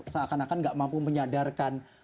seakan akan gak mampu menyadarkan